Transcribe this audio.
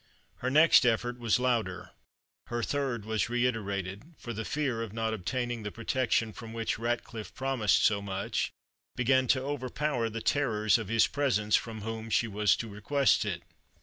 Her next effort was louder; her third was reiterated, for the fear of not obtaining the protection from which Ratcliffe promised so much, began to overpower the terrors of his presence from whom she was to request it.